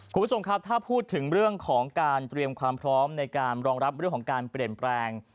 คุณผู้ชมครับถ้าพูดถึงเรื่องของการเตรียมความพร้อมในการรองรับเรื่องของการเปลี่ยนแปลง